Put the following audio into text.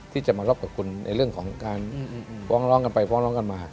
ที่จะมารับกับคุณในเรื่องของการฟ้องร้องกันไปฟ้องร้องกันมา